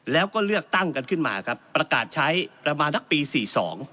แล้วก็เลือกตั้งกันขึ้นมาครับประกาศใช้ประมาณนักปีสี่สอง